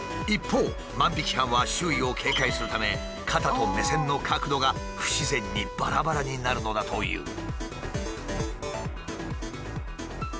一方万引き犯は周囲を警戒するため肩と目線の角度が不自然にばらばらになるのだという。